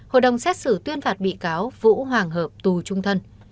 hội đồng xét xử tuyên phạt bị cáo vũ hoàng hợp tù trung thân